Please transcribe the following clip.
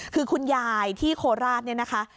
คือคุณยายที่โคราชเนี่ยนะคะ